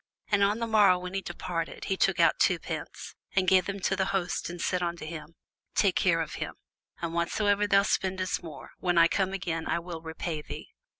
And on the morrow when he departed, he took out two pence, and gave them to the host, and said unto him, Take care of him; and whatsoever thou spendest more, when I come again, I will repay thee.